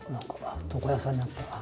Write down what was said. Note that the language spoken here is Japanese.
床屋さんになったな。